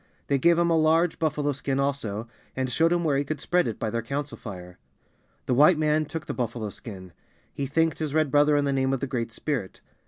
They gave him a large buffalo skin also, and showed him where he could spread it by their council fire. The White man took the buffalo skin. He thanked his Red brother in the name of the Great Spirit.